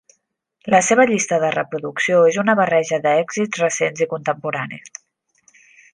La seva llista de reproducció és una barreja de èxits recents i contemporanis.